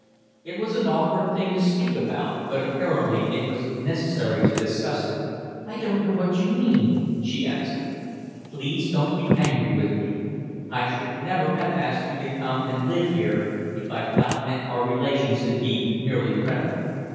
It was an awkward thing to speak about, but apparently it was necessary to discuss it. "I don't know what you mean," she answered. "Please don't be angry with me. I should never have asked you to come and live here if I'd not meant our relations to be merely friendly.